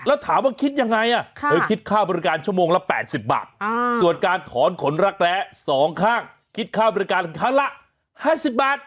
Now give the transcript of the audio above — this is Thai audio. แล้วถามว่าคิดยังไงเธอคิดค่าบริการชั่วโมงละ๘๐บาทส่วนการถอนขนรักแร้๒ข้างคิดค่าบริการครั้งละ๕๐บาท